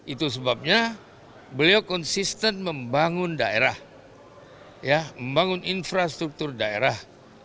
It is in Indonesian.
itu sebabnya beliau konsisten membangun daerah membangun infrastruktur daerah